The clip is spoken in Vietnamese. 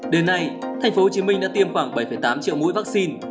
đến nay thành phố hồ chí minh đã tiêm khoảng bảy tám triệu mũi vaccine